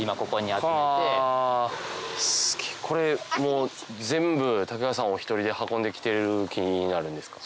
これ全部滝川さんお１人で運んで来ている木になるんですか？